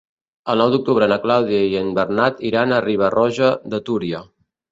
El nou d'octubre na Clàudia i en Bernat iran a Riba-roja de Túria.